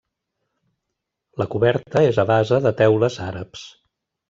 La coberta és a base de teules àrabs.